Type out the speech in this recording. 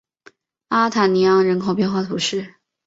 阿尔塔尼昂人口变化图示